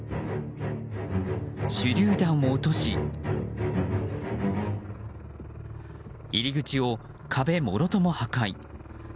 手りゅう弾を落とし入り口を壁もろとも破壊。